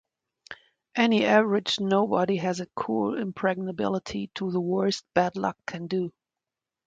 Any average nobody has a cool impregnability to the worst bad luck can do.